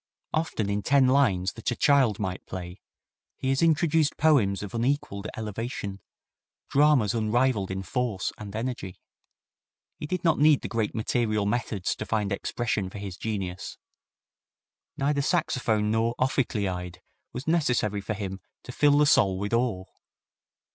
Often in ten lines that a child might play he has introduced poems of unequalled elevation, dramas unrivalled in force and energy. He did not need the great material methods to find expression for his genius. Neither saxophone nor ophicleide was necessary for him to fill the soul with awe.